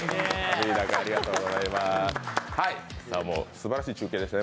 すばらしい中継でしたね。